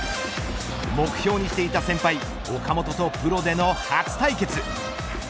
目標にしていた先輩岡本とプロでの初対決。